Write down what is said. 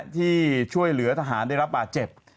ที่ช่วยเหลือทหารได้รับบาดเจ็บ